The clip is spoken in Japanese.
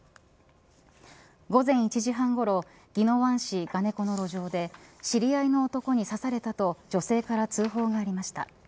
午前１時半ごろ宜野湾市我如古の路上で知り合いの男に刺されたと女性から通報がありました。